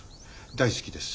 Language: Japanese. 大好きです。